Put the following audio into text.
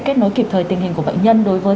kết nối kịp thời tình hình của bệnh nhân đối với